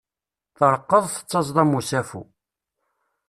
Treqqeḍ tettaẓeḍ am usafu.